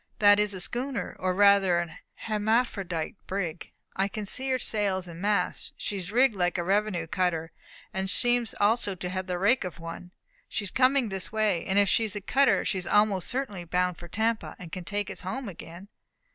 "That is a schooner, or rather an hemaphrodite brig. I can see her sails and masts. She is rigged like a revenue cutter, and seems also to have the rake of one. She is coming this way, and if she is a cutter, she is almost certainly bound for Tampa, and can take us home again."